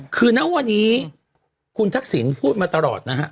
คือณวันนี้คุณทักษิณพูดมาตลอดนะฮะ